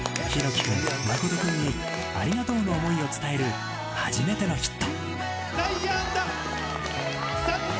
ひろき君、真実君にありがとうの想いを伝える初めてのヒット。